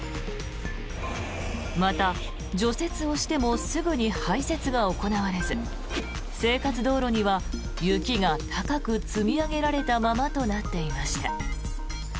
また、除雪をしてもすぐに排雪が行われず生活道路には雪が高く積み上げられたままとなっていました。